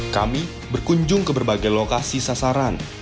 kami berkunjung ke berbagai lokasi sasaran